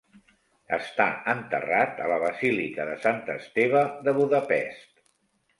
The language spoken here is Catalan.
Està enterrat a la basílica de Sant Esteve de Budapest.